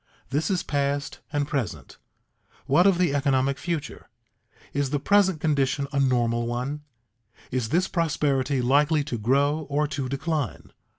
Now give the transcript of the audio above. This is past and present; what of the economic future? Is the present condition a normal one is this prosperity likely to grow or to decline?